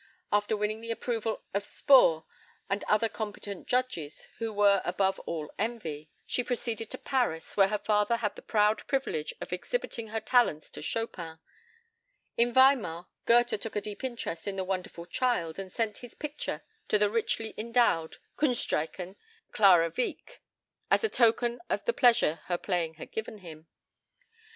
After winning the approval of Spohr and other competent judges who were above all envy, she proceeded to Paris, where her father had the proud privilege of exhibiting her talents to Chopin. In Weimar, Goethe took a deep interest in the wonderful child, and sent his picture to the "Richly endowed (Kunstreichen) Clara Wieck," as a token of the pleasure her playing had given him.